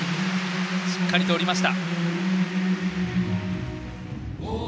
しっかりと降りました。